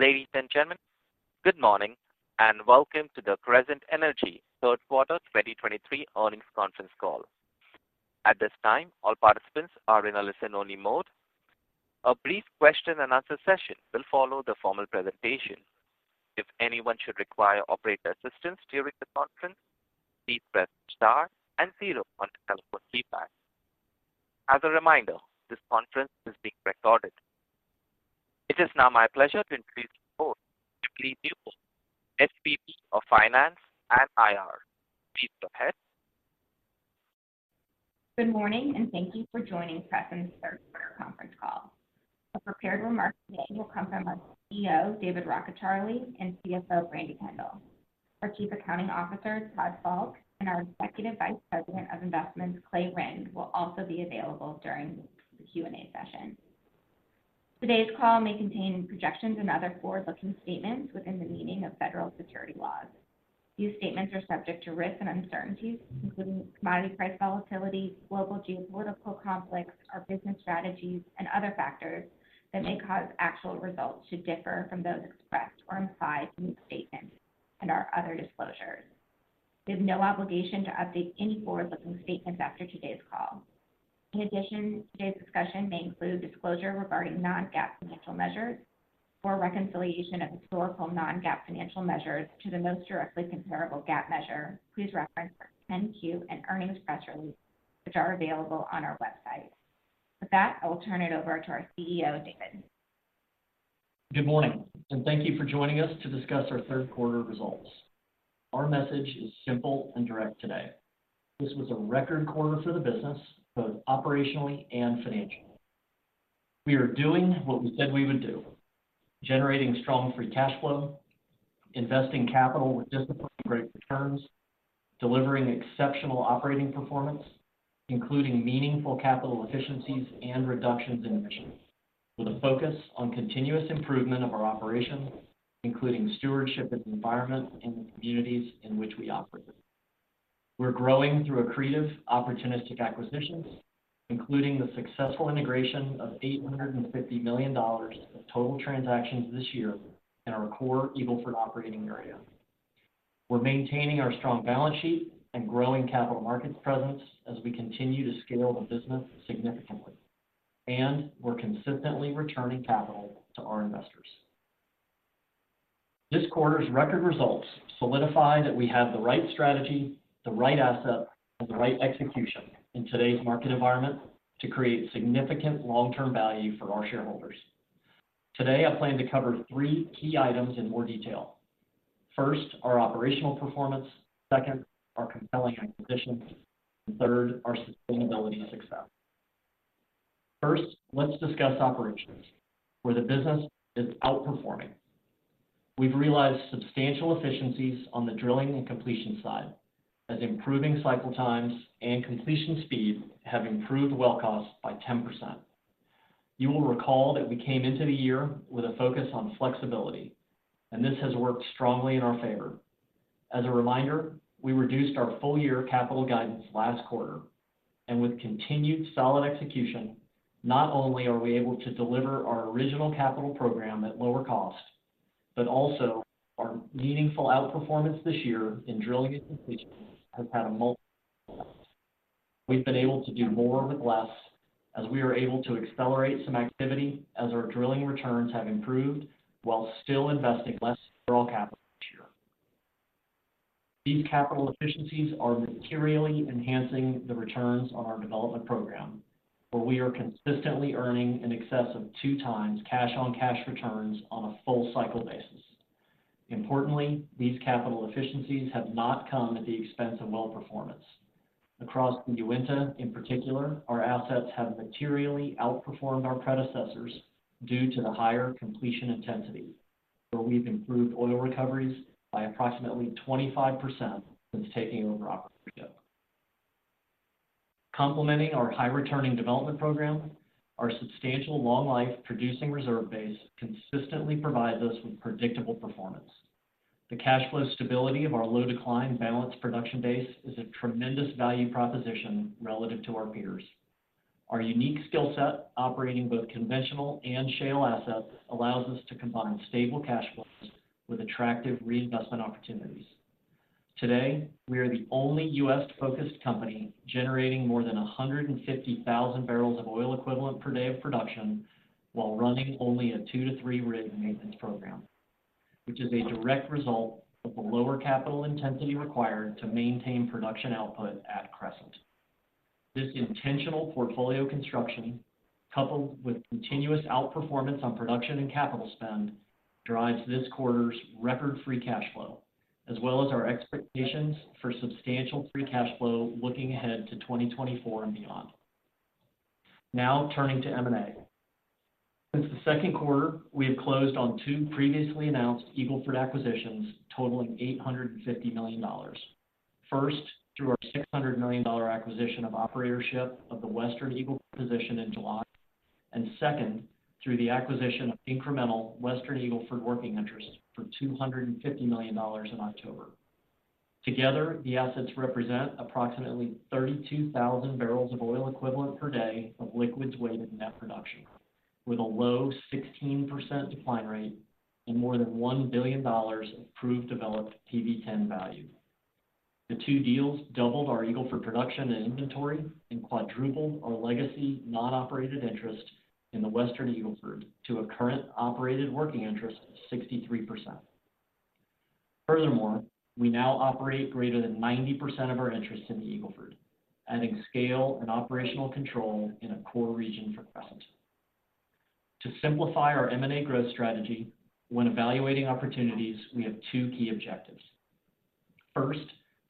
Ladies and gentlemen, good morning, and welcome to the Crescent Energy Third Quarter 2023 Earnings Conference Call. At this time, all participants are in a listen-only mode. A brief question-and-answer session will follow the formal presentation. If anyone should require operator assistance during the conference, please press Star and zero on your telephone keypad. As a reminder, this conference is being recorded. It is now my pleasure to introduce Le'Mar Buford, SVP of Finance and IR. Please go ahead. Good morning, and thank you for joining Crescent's third quarter conference call. Prepared remarks today will come from our CEO, David Rockecharlie, and CFO, Brandi Kendall. Our Chief Accounting Officer, Todd Falk, and our Executive Vice President of Investments, Clay Rynd, will also be available during the Q&A session. Today's call may contain projections and other forward-looking statements within the meaning of federal securities laws. These statements are subject to risks and uncertainties, including commodity price volatility, global geopolitical conflicts, our business strategies, and other factors that may cause actual results to differ from those expressed or implied in these statements and our other disclosures. We have no obligation to update any forward-looking statements after today's call. In addition, today's discussion may include disclosure regarding non-GAAP financial measures. For a reconciliation of historical non-GAAP financial measures to the most directly comparable GAAP measure, please reference our 10-Q and earnings press release, which are available on our website. With that, I will turn it over to our CEO, David. Good morning, and thank you for joining us to discuss our third quarter results. Our message is simple and direct today. This was a record quarter for the business, both operationally and financially. We are doing what we said we would do, generating strong free cash flow, investing capital with disciplined great returns, delivering exceptional operating performance, including meaningful capital efficiencies and reductions in emissions, with a focus on continuous improvement of our operations, including stewardship of the environment and the communities in which we operate. We're growing through accretive, opportunistic acquisitions, including the successful integration of $850 million of total transactions this year in our core Eagle Ford operating area. We're maintaining our strong balance sheet and growing capital markets presence as we continue to scale the business significantly, and we're consistently returning capital to our investors. This quarter's record results solidify that we have the right strategy, the right asset, and the right execution in today's market environment to create significant long-term value for our shareholders. Today, I plan to cover three key items in more detail. First, our operational performance, second, our compelling acquisitions, and third, our sustainability success. First, let's discuss operations, where the business is outperforming. We've realized substantial efficiencies on the drilling and completion side, as improving cycle times and completion speed have improved well costs by 10%. You will recall that we came into the year with a focus on flexibility, and this has worked strongly in our favor. As a reminder, we reduced our full-year capital guidance last quarter, and with continued solid execution, not only are we able to deliver our original capital program at lower cost, but also our meaningful outperformance this year in drilling and completion has had a multiple impact. We've been able to do more with less as we are able to accelerate some activity as our drilling returns have improved while still investing less overall capital this year. These capital efficiencies are materially enhancing the returns on our development program, where we are consistently earning in excess of 2x cash-on-cash returns on a full cycle basis. Importantly, these capital efficiencies have not come at the expense of well performance. Across the Uinta, in particular, our assets have materially outperformed our predecessors due to the higher completion intensity, where we've improved oil recoveries by approximately 25% since taking over operation. Complementing our high-returning development program, our substantial long-life producing reserve base consistently provides us with predictable performance. The cash flow stability of our low-decline balanced production base is a tremendous value proposition relative to our peers. Our unique skill set, operating both conventional and shale assets, allows us to combine stable cash flows with attractive reinvestment opportunities. Today, we are the only U.S.-focused company generating more than 150,000 barrels of oil equivalent per day of production while running only a two-three rig maintenance program, which is a direct result of the lower capital intensity required to maintain production output at Crescent. This intentional portfolio construction, coupled with continuous out-performance on production and capital spend, drives this quarter's record free cash flow, as well as our expectations for substantial free cash flow looking ahead to 2024 and beyond. Now, turning to M&A. Since the second quarter, we have closed on two previously announced Eagle Ford acquisitions totaling $850 million. First, through our $600 million acquisition of operatorship of the Western Eagle position in July, and second, through the acquisition of incremental Western Eagle Ford working interest for $250 million in October. Together, the assets represent approximately 32,000 barrels of oil equivalent per day of liquids weighted net production, with a low 16% decline rate and more than $1 billion of proved developed PV-10 value. The two deals doubled our Eagle Ford production and inventory, and quadrupled our legacy non-operated interest in the Western Eagle Ford to a current operated working interest of 63%. Furthermore, we now operate greater than 90% of our interest in the Eagle Ford, adding scale and operational control in a core region for Crescent. To simplify our M&A growth strategy, when evaluating opportunities, we have two key objectives. First,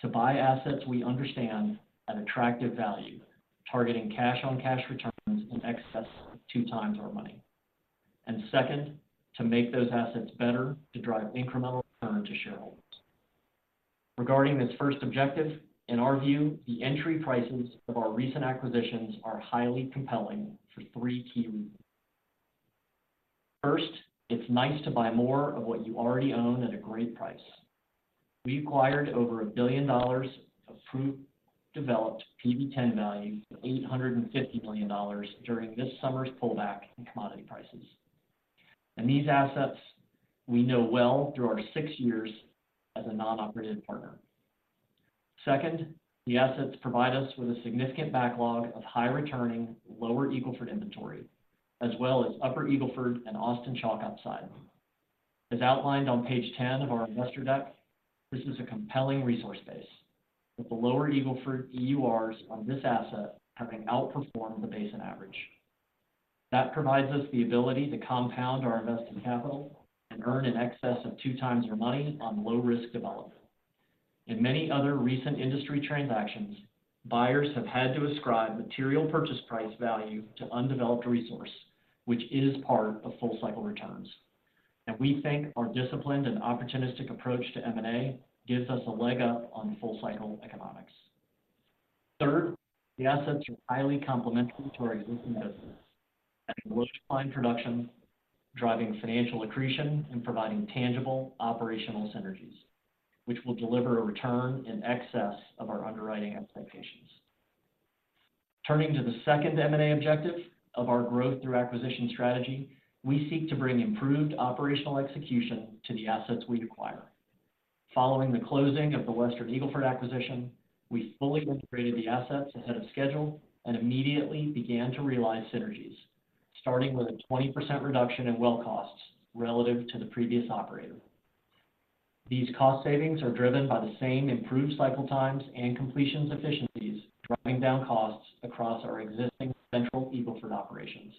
to buy assets we understand at attractive value, targeting cash-on-cash returns in excess of 2x our money. Second, to make those assets better to drive incremental return to shareholders. Regarding this first objective, in our view, the entry prices of our recent acquisitions are highly compelling for three key reasons. First, it's nice to buy more of what you already own at a great price. We acquired over $1 billion of proved developed PV-10 value of $850 million during this summer's pullback in commodity prices. These assets we know well through our six years as a non-operated partner. Second, the assets provide us with a significant backlog of high-returning, Lower Eagle Ford inventory, as well as Upper Eagle Ford and Austin Chalk upside. As outlined on page 10 of our investor deck, this is a compelling resource base, with the Lower Eagle Ford EURs on this asset having outperformed the basin average. That provides us the ability to compound our invested capital and earn in excess of 2 times our money on low-risk development. In many other recent industry transactions, buyers have had to ascribe material purchase price value to undeveloped resource, which is part of full cycle returns. We think our disciplined and opportunistic approach to M&A gives us a leg up on full cycle economics. Third, the assets are highly complementary to our existing business, adding low decline production, driving financial accretion, and providing tangible operational synergies, which will deliver a return in excess of our underwriting expectations. Turning to the second M&A objective of our growth through acquisition strategy, we seek to bring improved operational execution to the assets we acquire. Following the closing of the Western Eagle Ford acquisition, we fully integrated the assets ahead of schedule and immediately began to realize synergies, starting with a 20% reduction in well costs relative to the previous operator. These cost savings are driven by the same improved cycle times and completions efficiencies, driving down costs across our existing Central Eagle Ford operations.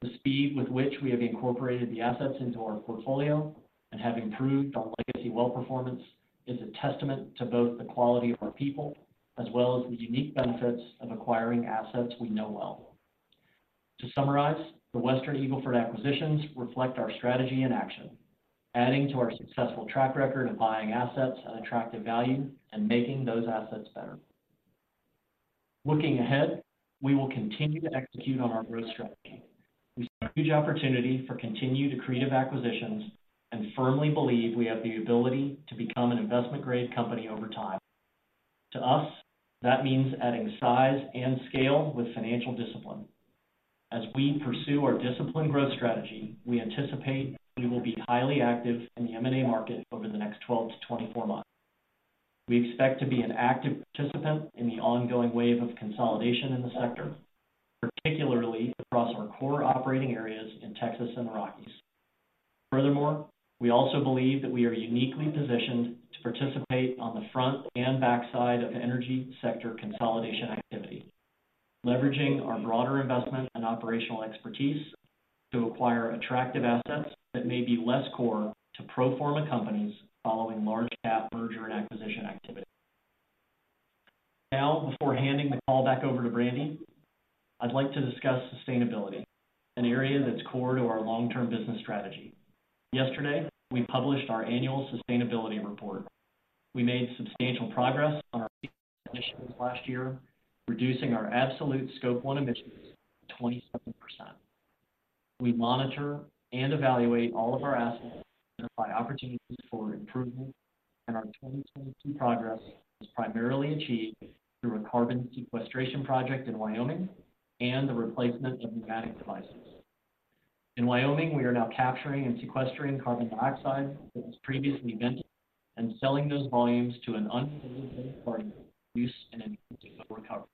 The speed with which we have incorporated the assets into our portfolio and have improved on legacy well performance is a testament to both the quality of our people as well as the unique benefits of acquiring assets we know well. To summarize, the Western Eagle Ford acquisitions reflect our strategy in action, adding to our successful track record of buying assets at attractive value and making those assets better. Looking ahead, we will continue to execute on our growth strategy. We see a huge opportunity for continued accretive acquisitions and firmly believe we have the ability to become an investment-grade company over time. To us, that means adding size and scale with financial discipline. As we pursue our disciplined growth strategy, we anticipate we will be highly active in the M&A market over the next 12-24 months. We expect to be an active participant in the ongoing wave of consolidation in the sector, particularly across our core operating areas in Texas and the Rockies. Furthermore, we also believe that we are uniquely positioned to participate on the front and back side of energy sector consolidation activity, leveraging our broader investment and operational expertise to acquire attractive assets that may be less core to pro forma companies following large cap merger and acquisition activity. Now, before handing the call back over to Brandi, I'd like to discuss sustainability, an area that's core to our long-term business strategy. Yesterday, we published our annual sustainability report. We made substantial progress on our emissions last year, reducing our absolute Scope 1 emissions by 27%. We monitor and evaluate all of our assets, identify opportunities for improvement, and our 2022 progress was primarily achieved through a carbon sequestration project in Wyoming and the replacement of pneumatic devices. In Wyoming, we are now capturing and sequestering carbon dioxide that was previously vented, and selling those volumes to an unrelated party for use in enhanced oil recovery.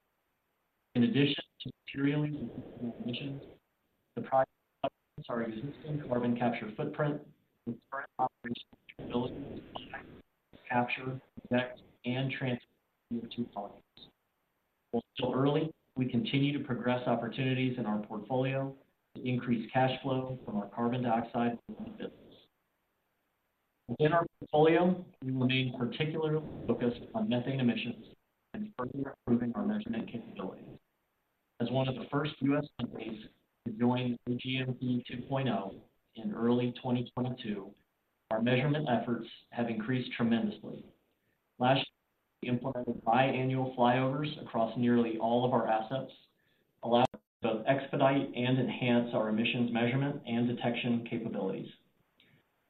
In addition to materially emissions, the project our existing carbon capture footprint with current operations, capture, inject, and transport CO2 volumes. While it's still early, we continue to progress opportunities in our portfolio to increase cash flow from our carbon dioxide businesses. Within our portfolio, we remain particularly focused on methane emissions and further improving our measurement capabilities. As one of the first U.S. companies to join OGMP 2.0 in early 2022, our measurement efforts have increased tremendously. Last year, we implemented biannual flyovers across nearly all of our assets... allow us to both expedite and enhance our emissions measurement and detection capabilities.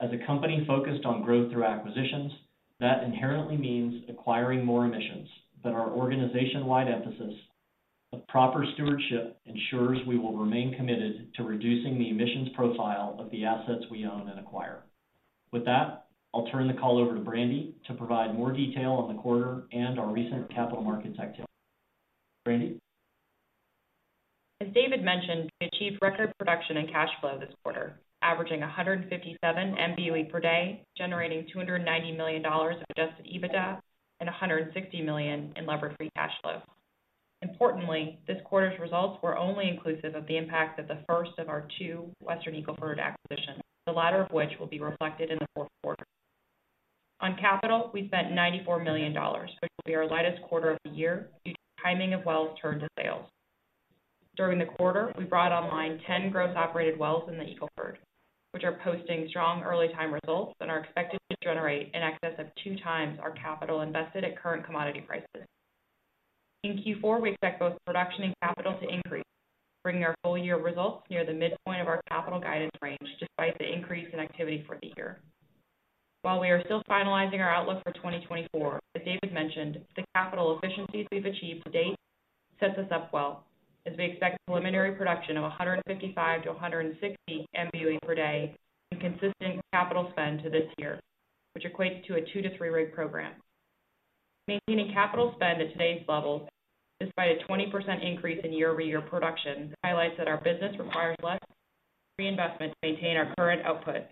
As a company focused on growth through acquisitions, that inherently means acquiring more emissions, but our organization-wide emphasis of proper stewardship ensures we will remain committed to reducing the emissions profile of the assets we own and acquire. With that, I'll turn the call over to Brandi to provide more detail on the quarter and our recent capital markets activity. Brandi? As David mentioned, we achieved record production and cash flow this quarter, averaging 157 MBOE per day, generating $290 million of adjusted EBITDA and $160 million in levered free cash flow. Importantly, this quarter's results were only inclusive of the impact of the first of our two Western Eagle Ford acquisitions, the latter of which will be reflected in the fourth quarter. On capital, we spent $94 million, which will be our lightest quarter of the year due to timing of wells turned to sales. During the quarter, we brought online 10 gross operated wells in the Eagle Ford, which are posting strong early time results and are expected to generate in excess of 2x our capital invested at current commodity prices. In Q4, we expect both production and capital to increase, bringing our full year results near the midpoint of our capital guidance range, despite the increase in activity for the year. While we are still finalizing our outlook for 2024, as David mentioned, the capital efficiencies we've achieved to date sets us up well as we expect preliminary production of 155-160 MBOE per day and consistent capital spend to this year, which equates to a two-three rig program. Maintaining capital spend at today's levels, despite a 20% increase in year-over-year production, highlights that our business requires less reinvestment to maintain our current output,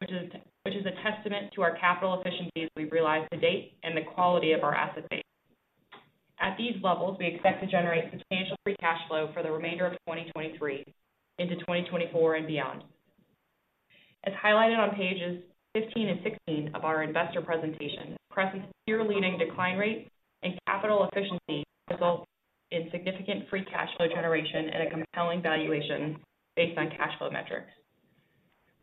which is a testament to our capital efficiencies we've realized to date and the quality of our asset base. At these levels, we expect to generate substantial free cash flow for the remainder of 2023 into 2024 and beyond. As highlighted on pages 15 and 16 of our investor presentation, Crescent's peer-leading decline rate and capital efficiency result in significant free cash flow generation and a compelling valuation based on cash flow metrics.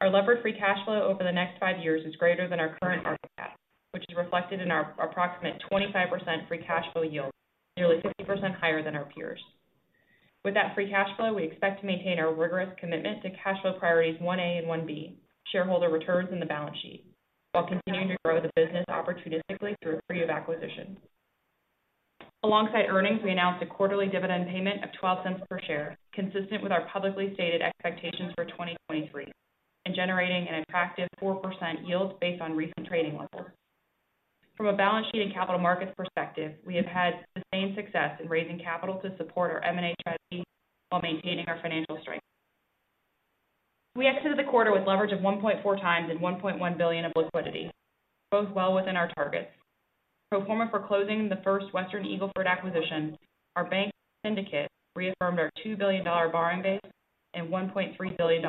Our levered free cash flow over the next five years is greater than our current market cap, which is reflected in our approximate 25% free cash flow yield, nearly 50% higher than our peers. With that free cash flow, we expect to maintain our rigorous commitment to cash flow priorities 1A and 1B, shareholder returns in the balance sheet, while continuing to grow the business opportunistically through accretive acquisitions. Alongside earnings, we announced a quarterly dividend payment of $0.12 per share, consistent with our publicly stated expectations for 2023, and generating an attractive 4% yield based on recent trading levels. From a balance sheet and capital markets perspective, we have had the same success in raising capital to support our M&A strategy while maintaining our financial strength. We exited the quarter with leverage of 1.4x and $1.1 billion of liquidity, both well within our targets. Pro forma for closing the first Western Eagle Ford acquisition, our bank syndicate reaffirmed our $2 billion borrowing base and $1.3 billion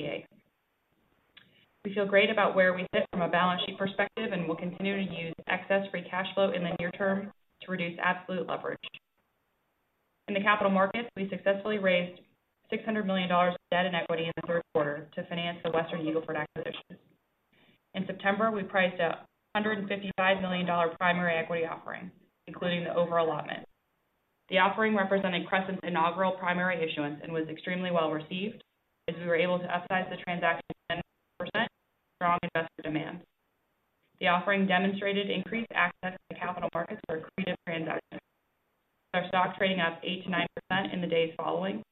ECA. We feel great about where we sit from a balance sheet perspective, and we'll continue to use excess free cash flow in the near term to reduce absolute leverage. In the capital markets, we successfully raised $600 million of debt and equity in the third quarter to finance the Western Eagle Ford acquisitions. In September, we priced a $155 million primary equity offering, including the overallotment. The offering represented Crescent's inaugural primary issuance and was extremely well-received, as we were able to up-size the transaction 10%, strong investor demand. The offering demonstrated increased access to capital markets for accretive transactions. Our stock trading up 8%-9% in the days following,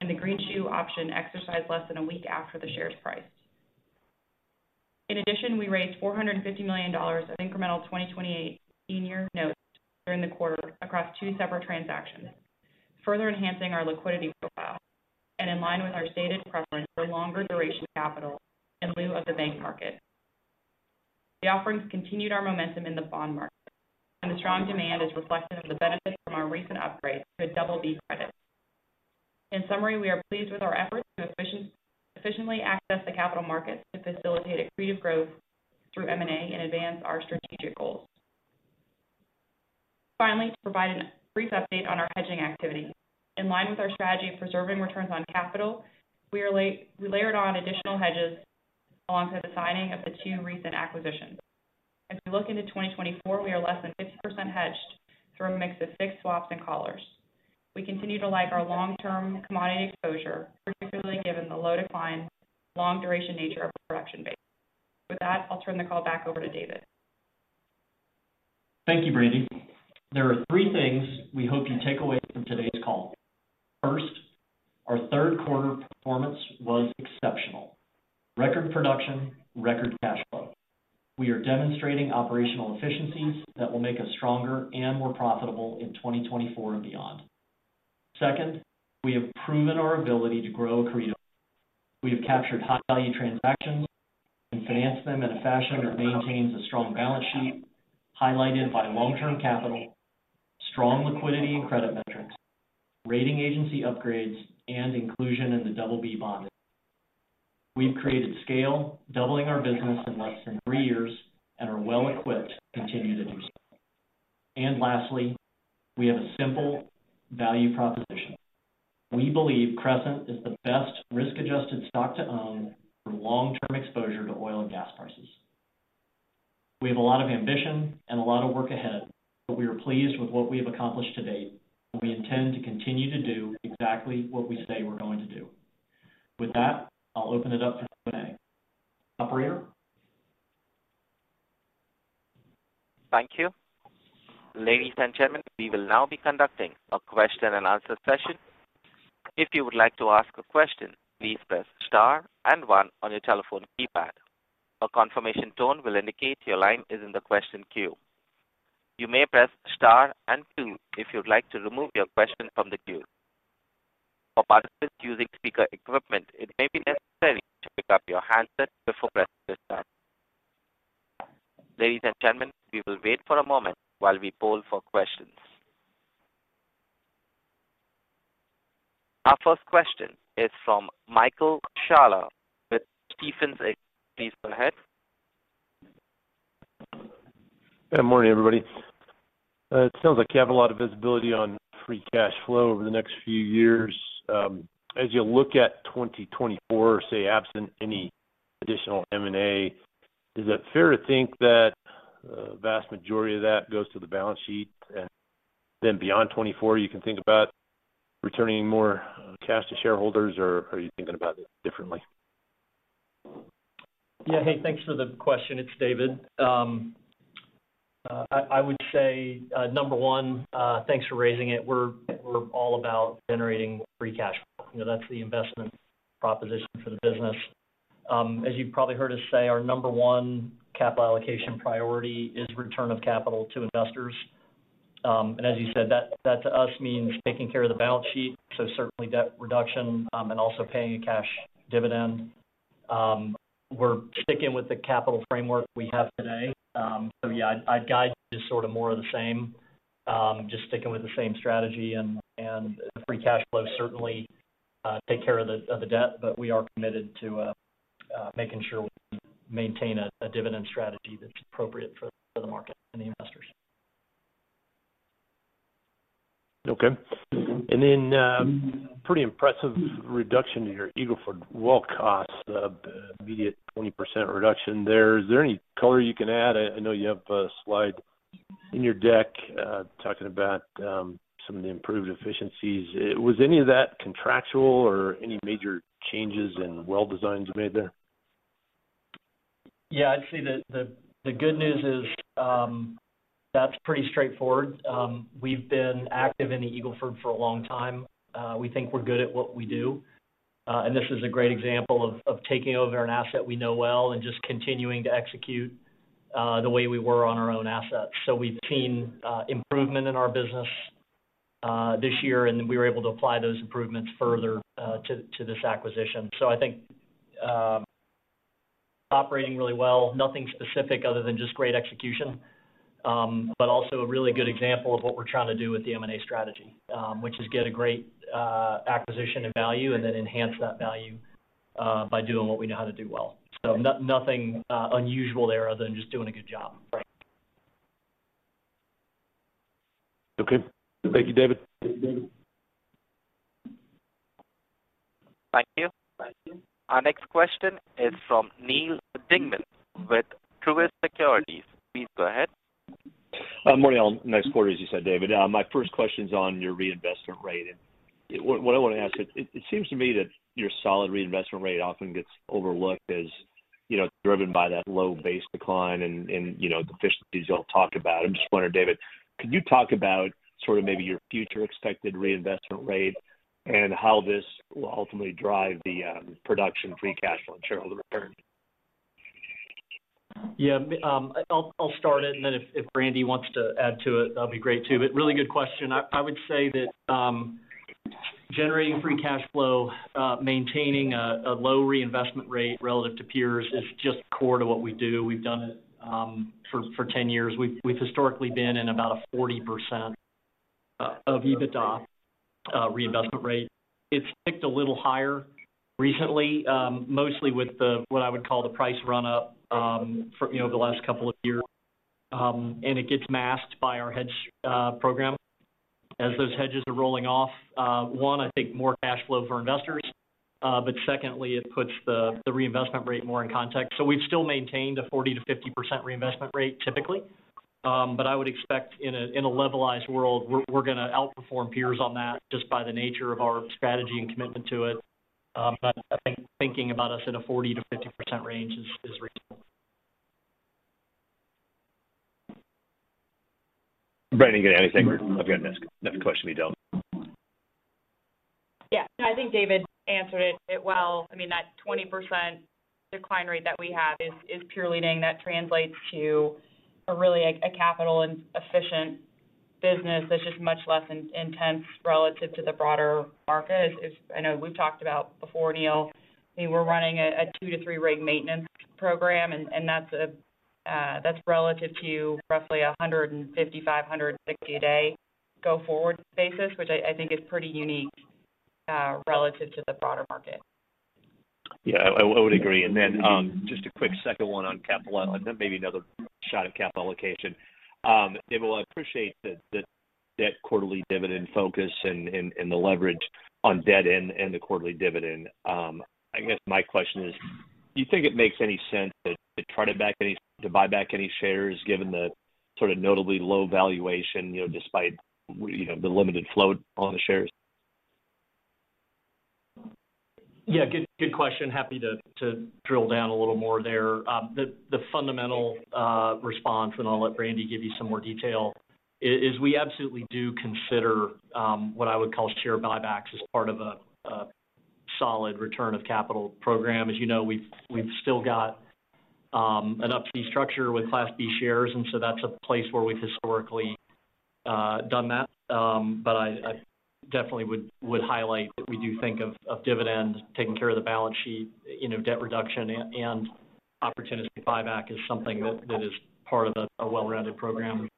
and the greenshoe option exercised less than a week after the shares priced. In addition, we raised $450 million of incremental 2028 senior notes during the quarter across two separate transactions, further enhancing our liquidity profile and in line with our stated preference for longer duration capital in lieu of the bank market. The offerings continued our momentum in the bond market, and the strong demand is reflective of the benefit from our recent upgrade to a BB credit. In summary, we are pleased with our efforts to efficiently access the capital markets to facilitate accretive growth through M&A and advance our strategic goals. Finally, to provide a brief update on our hedging activity. In line with our strategy of preserving returns on capital, we layered on additional hedges alongside the signing of the two recent acquisitions. As we look into 2024, we are less than 50% hedged through a mix of fixed swaps and collars. We continue to like our long-term commodity exposure, particularly given the low decline, long-duration nature of production base. With that, I'll turn the call back over to David. Thank you, Brandi. There are three things we hope you take away from today's call. First, our third quarter performance was exceptional. Record production, record cash flow. We are demonstrating operational efficiencies that will make us stronger and more profitable in 2024 and beyond. Second, we have proven our ability to grow accretively. We have captured high-value transactions and financed them in a fashion that maintains a strong balance sheet, highlighted by long-term capital, strong liquidity and credit metrics, rating agency upgrades, and inclusion in the BB bond. We've created scale, doubling our business in less than three years, and are well equipped to continue to do so. Lastly, we have a simple value proposition. We believe Crescent is the best risk-adjusted stock to own for long-term exposure to oil and gas prices.... We have a lot of ambition and a lot of work ahead, but we are pleased with what we have accomplished to date, and we intend to continue to do exactly what we say we're going to do. With that, I'll open it up for Q&A. Operator? Thank you. Ladies and gentlemen, we will now be conducting a question-and-answer session. If you would like to ask a question, please press star and one on your telephone keypad. A confirmation tone will indicate your line is in the question queue. You may press star and two if you'd like to remove your question from the queue. For participants using speaker equipment, it may be necessary to pick up your handset before pressing star. Ladies and gentlemen, we will wait for a moment while we poll for questions. Our first question is from Michael Scialla with Stephens Inc. Please go ahead. Good morning, everybody. It sounds like you have a lot of visibility on free cash flow over the next few years. As you look at 2024, say, absent any additional M&A, is it fair to think that vast majority of that goes to the balance sheet, and then beyond 2024, you can think about returning more cash to shareholders, or are you thinking about it differently? Yeah. Hey, thanks for the question. It's David. I would say, number one, thanks for raising it. We're all about generating free cash flow. You know, that's the investment proposition for the business. As you've probably heard us say, our number one capital allocation priority is return of capital to investors. And as you said, that to us means taking care of the balance sheet, so certainly debt reduction and also paying a cash dividend. We're sticking with the capital framework we have today. So yeah, I'd guide just sort of more of the same. Just sticking with the same strategy and the free cash flow, certainly take care of the debt, but we are committed to making sure we maintain a dividend strategy that's appropriate for the market and the investors. Okay. And then, pretty impressive reduction in your Eagle Ford well cost, of immediate 20% reduction there. Is there any color you can add? I, I know you have a slide in your deck, talking about, some of the improved efficiencies. Was any of that contractual or any major changes in well designs made there? Yeah, I'd say the good news is, that's pretty straightforward. We've been active in the Eagle Ford for a long time. We think we're good at what we do, and this is a great example of taking over an asset we know well and just continuing to execute the way we were on our own assets. So we've seen improvement in our business this year, and we were able to apply those improvements further to this acquisition. So I think operating really well, nothing specific other than just great execution. But also a really good example of what we're trying to do with the M&A strategy, which is get a great acquisition and value, and then enhance that value by doing what we know how to do well. Nothing unusual there other than just doing a good job. Okay. Thank you, David. Thank you. Our next question is from Neal Dingmann with Truist Securities. Please go ahead. Morning all. Nice quarter, as you said, David. My first question's on your reinvestment rate. What I want to ask is, it seems to me that your solid reinvestment rate often gets overlooked as, you know, driven by that low base decline and, you know, the efficiencies you all talk about. I'm just wondering, David, could you talk about sort of maybe your future expected reinvestment rate and how this will ultimately drive the production, free cash flow, and shareholder return? Yeah, I'll start it, and then if Brandi wants to add to it, that'd be great too. But really good question. I would say that generating free cash flow, maintaining a low reinvestment rate relative to peers is just core to what we do. We've done it for 10 years. We've historically been in about a 40% of EBITDA reinvestment rate. It's ticked a little higher recently, mostly with the what I would call the price run-up for you know the last couple of years. And it gets masked by our hedge program. As those hedges are rolling off, one I think more cash flow for investors, but secondly, it puts the reinvestment rate more in context. So we've still maintained a 40%-50% reinvestment rate typically. But I would expect in a levelized world, we're gonna outperform peers on that just by the nature of our strategy and commitment to it. But I think thinking about us in a 40%-50% range is reasonable. Brandi, you got anything you want to add to this, the question we dealt? Yeah. No, I think David answered it well. I mean, that 20% decline rate that we have is purely declining, that translates to a really a capital-efficient business that's just much less intense relative to the broader market. It's... I know we've talked about before, Neal, I mean, we're running a two-three rig maintenance program, and that's relative to roughly 155-160 a day go-forward basis, which I think is pretty unique relative to the broader market. Yeah, I would agree. And then, just a quick second one on capital allocation, then maybe another shot at capital allocation. David, well, I appreciate that debt quarterly dividend focus and the leverage on debt and the quarterly dividend. I guess my question is: Do you think it makes any sense to try to buy back any shares, given the sort of notably low valuation, you know, despite, you know, the limited float on the shares? Yeah, good, good question. Happy to drill down a little more there. The fundamental response, and I'll let Brandi give you some more detail, is we absolutely do consider what I would call share buybacks as part of a solid return of capital program. As you know, we've still got an Up-C structure with Class B shares, and so that's a place where we've historically done that. But I definitely would highlight that we do think of dividends, taking care of the balance sheet, you know, debt reduction and opportunity buyback is something that is part of a well-rounded program.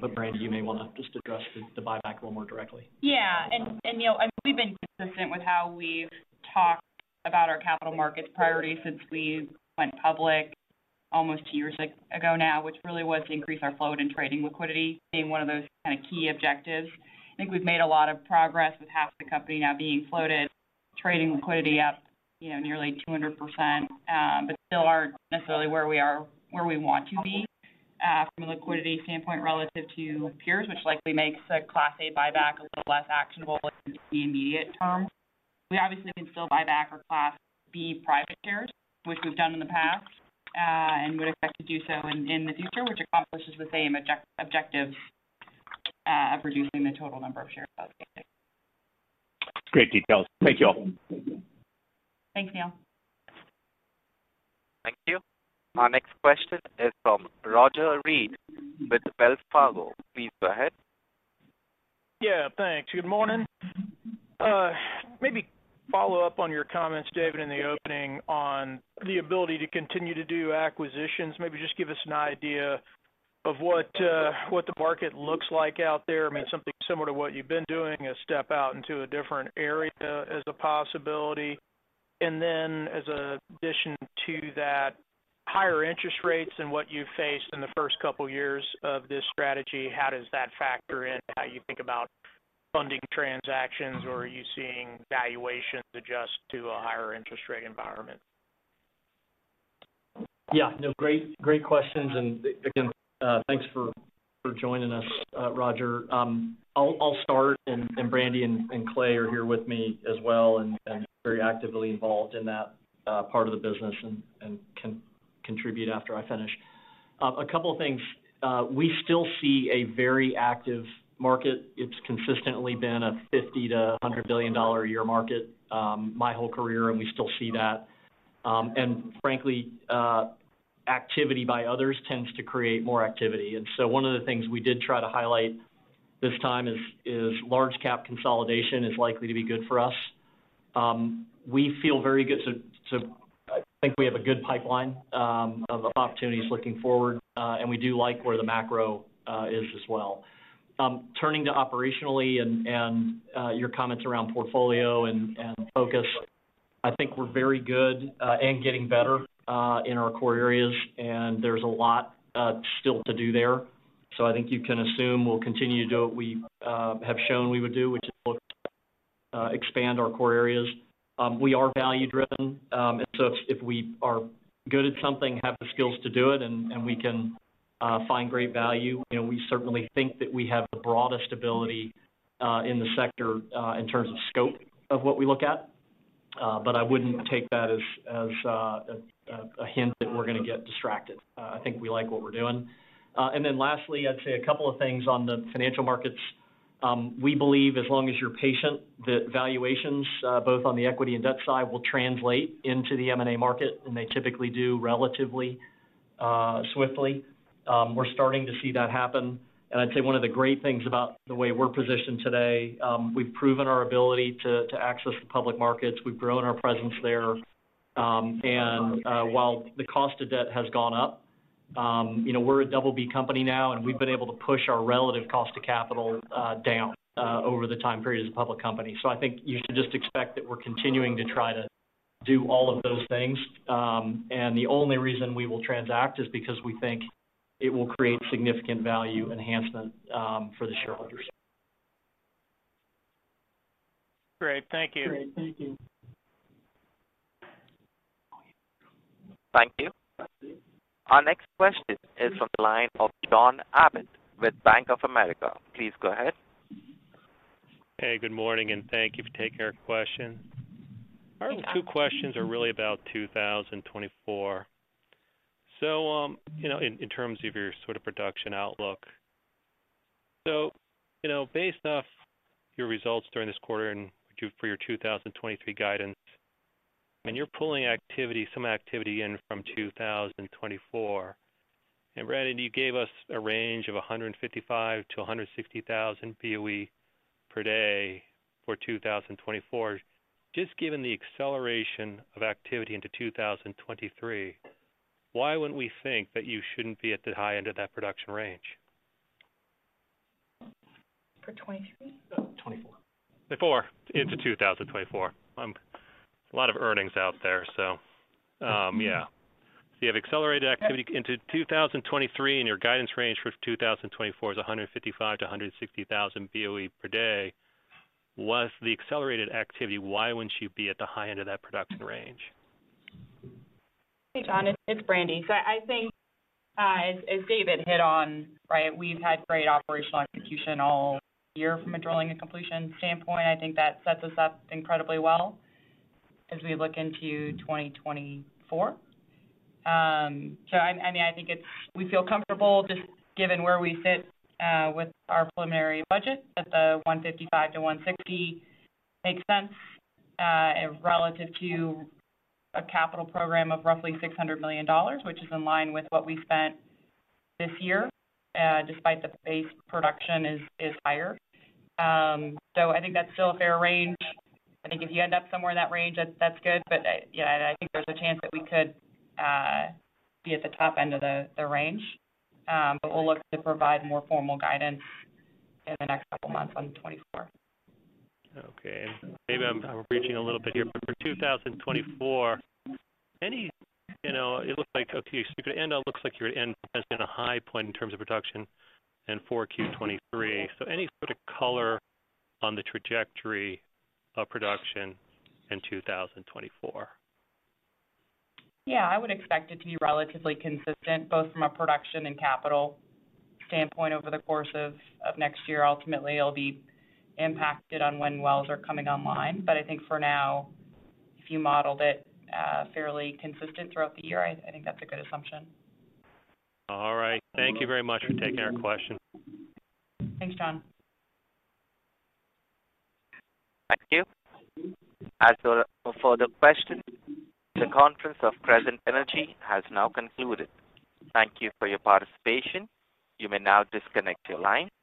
But Brandi, you may want to just address the buyback a little more directly. Yeah. Neal, I think we've been consistent with how we've talked about our capital markets priority since we went public almost two years ago now, which really was to increase our float and trading liquidity, being one of those kind of key objectives. I think we've made a lot of progress with half the company now being floated, trading liquidity up, you know, nearly 200%, but still aren't necessarily where we want to be from a liquidity standpoint relative to peers, which likely makes a Class A buyback a little less actionable in the immediate term. We obviously can still buy back our Class B private shares, which we've done in the past and would expect to do so in the future, which accomplishes the same objective of reducing the total number of shares outstanding. Great details. Thank you all. Thanks, Neal. Thank you. Our next question is from Roger Read with Wells Fargo. Please go ahead. Yeah, thanks. Good morning. Maybe follow up on your comments, David, in the opening on the ability to continue to do acquisitions. Maybe just give us an idea of what, what the market looks like out there. I mean, something similar to what you've been doing, a step out into a different area as a possibility. And then as an addition to that, higher interest rates than what you faced in the first couple of years of this strategy, how does that factor in how you think about funding transactions, or are you seeing valuations adjust to a higher interest rate environment? Yeah. No, great, great questions, and, again, thanks for joining us, Roger. I'll start, and Brandi and Clay are here with me as well and very actively involved in that part of the business and can contribute after I finish. A couple of things. We still see a very active market. It's consistently been a $50-$100 billion a year market, my whole career, and we still see that. And frankly, activity by others tends to create more activity. And so one of the things we did try to highlight this time is large cap consolidation is likely to be good for us. We feel very good, so I think we have a good pipeline of opportunities looking forward, and we do like where the macro is as well. Turning to operationally and your comments around portfolio and focus, I think we're very good and getting better in our core areas, and there's a lot still to do there. So I think you can assume we'll continue to do what we have shown we would do, which is look to expand our core areas. We are value-driven, and so if we are good at something, have the skills to do it, and we can find great value, you know, we certainly think that we have the broadest ability in the sector in terms of scope of what we look at. But I wouldn't take that as a hint that we're going to get distracted. I think we like what we're doing. And then lastly, I'd say a couple of things on the financial markets. We believe as long as you're patient, that valuations both on the equity and debt side, will translate into the M&A market, and they typically do relatively swiftly. We're starting to see that happen. And I'd say one of the great things about the way we're positioned today, we've proven our ability to access the public markets. We've grown our presence there. And while the cost of debt has gone up, you know, we're a BB company now, and we've been able to push our relative cost of capital down over the time period as a public company. I think you should just expect that we're continuing to try to do all of those things. The only reason we will transact is because we think it will create significant value enhancement for the shareholders. Great. Thank you. Thank you. Our next question is from the line of John Abbott with Bank of America. Please go ahead. Hey, good morning, and thank you for taking our question. Our two questions are really about 2024. So, you know, in terms of your sort of production outlook. So, you know, based off your results during this quarter and for your 2023 guidance, and you're pulling activity, some activity in from 2024, and Brandi, you gave us a range of 155,000-160,000 BOE per day for 2024. Just given the acceleration of activity into 2023, why wouldn't we think that you shouldn't be at the high end of that production range? For 2023? 2024. Into 2024. A lot of earnings out there, so, yeah.... You have accelerated activity into 2023, and your guidance range for 2024 is 155,000-160,000 BOE per day. Was the accelerated activity, why wouldn't you be at the high end of that production range? Hey, John, it's Brandi. So I think, as David hit on, right, we've had great operational execution all year from a drilling and completion standpoint. I think that sets us up incredibly well as we look into 2024. So I mean, I think it's, we feel comfortable just given where we sit, with our preliminary budget, that the 155-160 makes sense, relative to a capital program of roughly $600 million, which is in line with what we spent this year, despite the base production is higher. So I think that's still a fair range. I think if you end up somewhere in that range, that's good. But yeah, I think there's a chance that we could be at the top end of the range. But we'll look to provide more formal guidance in the next couple of months on 2024. Okay. Maybe I'm reaching a little bit here, but for 2024, any... You know, it looks like, okay, so you're going to end up, looks like you're going to end as in a high point in terms of production and for Q23. So any sort of color on the trajectory of production in 2024? Yeah, I would expect it to be relatively consistent, both from a production and capital standpoint over the course of next year. Ultimately, it'll be impacted on when wells are coming online. But I think for now, if you modeled it, fairly consistent throughout the year, I think that's a good assumption. All right. Thank you very much for taking our question. Thanks, John. Thank you. As for the question, the conference of Crescent Energy has now concluded. Thank you for your participation. You may now disconnect your line.